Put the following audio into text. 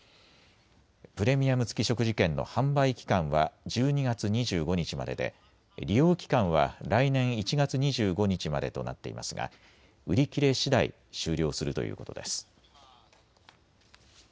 プレミアム付き食事券の販売期間は１２月２５日までで利用期間は来年１月２５日までとなっていますが売り切れしだい終了するということです。